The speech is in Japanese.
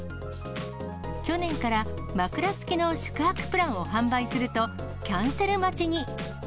去年から枕付きの宿泊プランを販売すると、キャンセル待ちに。